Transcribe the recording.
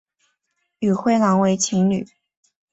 与灰狼为情侣。